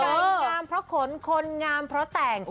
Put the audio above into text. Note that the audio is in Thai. งามเพราะขนคนงามเพราะแต่ง